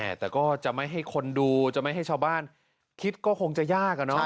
แต่ก็จะไม่ให้คนดูจะไม่ให้ชาวบ้านคิดก็คงจะยากอะเนาะ